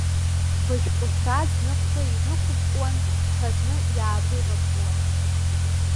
Бышәҟәыҭра зны бхы инықәыбкуан, ҽазны иаабывабкуан.